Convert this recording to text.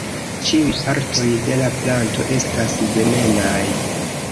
Ĉiuj partoj de la planto estas venenaj.